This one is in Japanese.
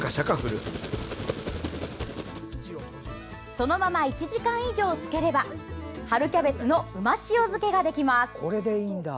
そのまま１時間以上漬ければ春キャベツの旨塩漬けができます。